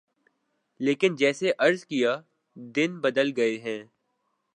لیکن جیسے عرض کیا دن بدل گئے ہیں۔